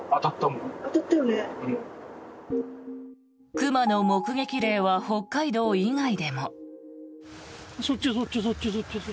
熊の目撃例は北海道以外でも。